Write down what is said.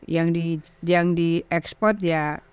yang di ekspor ya